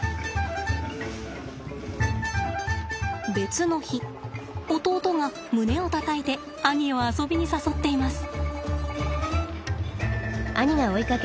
別の日弟が胸をたたいて兄を遊びに誘っています。